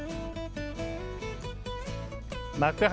幕張